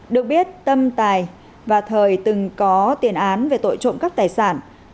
được biết tâm tài và thời từng có tiền án về tội trộm cắp tài sản